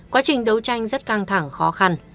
quá trình đấu tranh rất căng thẳng khó khăn